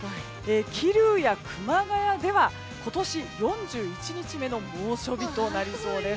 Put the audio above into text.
桐生や熊谷では今年４１日目の猛暑日となりそうです。